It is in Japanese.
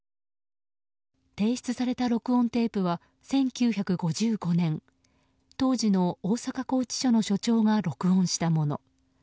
提出された録音テープは１９５５年当時の大阪拘置所の所長が録音したもの。